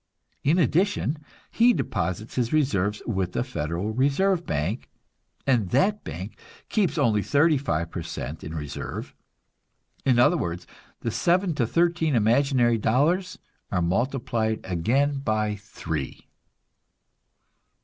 In addition, he deposits his reserves with the Federal Reserve bank, and that bank keeps only thirty five per cent in reserve in other words, the seven to thirteen imaginary dollars are multiplied again by three.